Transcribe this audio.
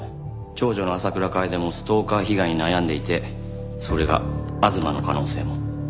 長女の浅倉楓もストーカー被害に悩んでいてそれが吾妻の可能性も。